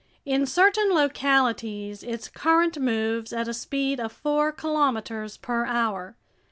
In certain localities its current moves at a speed of four kilometers per hour.